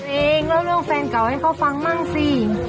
เองเล่าเรื่องแฟนเก่าให้เขาฟังมั่งสิ